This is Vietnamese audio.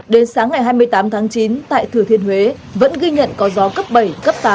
đến sáng ngày hai mươi tám tháng chín tại thừa thiên huế vẫn ghi nhận có gió cấp bảy cấp tám